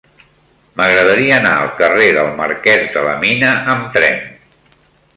M'agradaria anar al carrer del Marquès de la Mina amb tren.